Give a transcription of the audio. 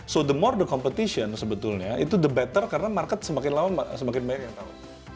so the more the competition sebetulnya itu the better karena market semakin lama semakin banyak yang tahu